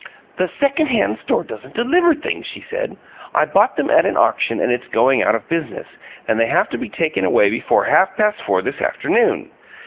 "The second hand store doesn't deliver things," she said. "I bought them at an auction, and it's going out of business, and they have to be taken away before half past four this afternoon.